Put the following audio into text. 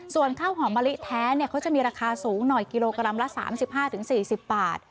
ส่วนข้าวหอมมะลิแท้เขาจะมีราคาสูงหน่อยกิโลกรัมละ๓๕๔๐บาท